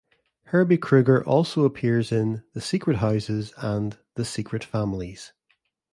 Herbie Kruger also appears in "The Secret Houses" and "The Secret Families".